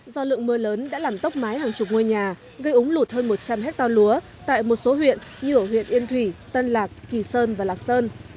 do lượng mưa lớn đã làm tốc mái hàng chục ngôi nhà gây úng lụt hơn một trăm linh hectare lúa tại một số huyện như ở huyện yên thủy tân lạc kỳ sơn và lạc sơn